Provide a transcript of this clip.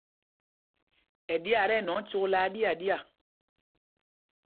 Ɛ ɗiá tí ɛnwɔŋ cúklá áɗiaɗiá.